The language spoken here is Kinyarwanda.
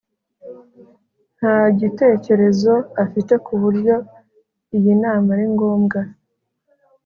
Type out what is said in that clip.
nta gitekerezo afite ku buryo iyi nama ari ngombwa